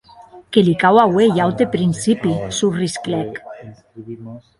Que li cau auer un aute principi!, sorrisclèc.